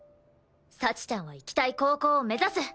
幸ちゃんは行きたい高校を目指す！